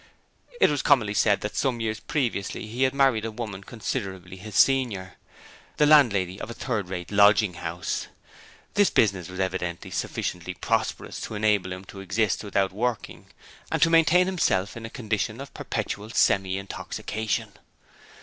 It was commonly said that some years previously he had married a woman considerably his senior, the landlady of a third rate lodging house. This business was evidently sufficiently prosperous to enable him to exist without working and to maintain himself in a condition of perpetual semi intoxication.